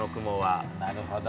なるほど。